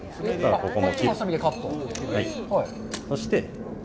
そして。